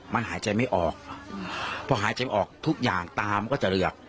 มันหายใจไม่ออกพอหายใจออกทุกอย่างตามก็จะเหลือก